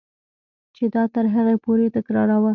چې دا تر هغې پورې تکراروه.